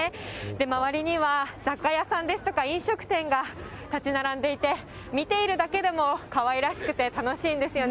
周りには雑貨屋さんですとか、飲食店が建ち並んでいて、見ているだけでも、かわいらしくて楽しいんですよね。